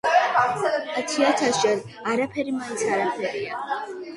„ათი-ათასჯერ არაფერი მაინც არაფერია.“